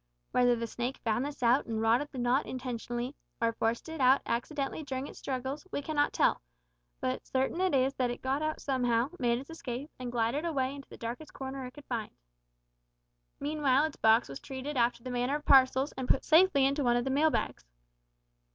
Whether the snake found this out, and wrought at the knot intentionally, or forced it out accidentally during its struggles, we cannot tell, but certain it is that it got it out somehow, made its escape, and glided away into the darkest corner it could find. Meanwhile its box was treated after the manner of parcels, and put safely into one of the mail bags.